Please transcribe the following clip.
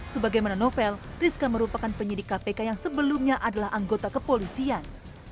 sebagaimana novel rizka merupakan penyidik kpk yang sebelumnya adalah anggota kepolisian